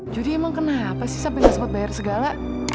jadi emang kenapa sih sampai nggak sempat bayar segala